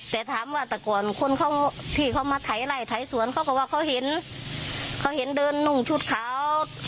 แต่ถามว่าแต่ก่อนคนเขาที่เขามาถ่ายไล่ไถสวนเขาก็ว่าเขาเห็นเขาเห็นเดินนุ่งชุดขาว